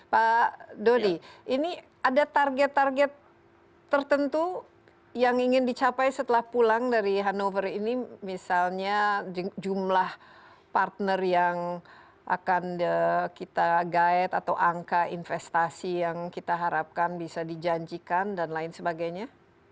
pak dodi ini ada target target tertentu yang ingin dicapai setelah pulang dari hannover ini misalnya jumlah partner yang akan kita guide atau angka investasi yang kita harapkan bisa dijanjikan dan lain sebagainya